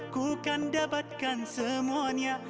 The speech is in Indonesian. ku kan dapatkan semuanya